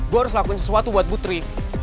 gue harus lakuin sesuatu buat putri